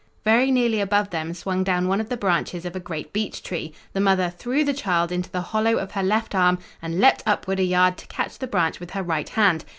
Very nearly above them swung down one of the branches of a great beech tree. The mother threw the child into the hollow of her left arm, and leaped upward a yard to catch the branch with her right hand.